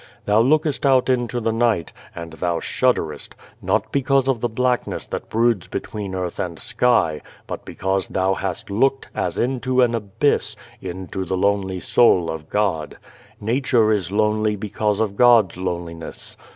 Thou lookest out into the night, and thou shudderest not because of the blackness that broods between earth and sky, but because thou hast looked, as into an abyss, into the lonely soul of God. Nature is lonely because of God's loneliness.